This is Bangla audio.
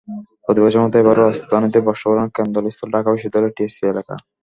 প্রতিবছরের মতো এবারও রাজধানীতে বর্ষবরণের কেন্দ্রস্থল ছিল ঢাকা বিশ্ববিদ্যালয়ের টিএসসি এলাকা।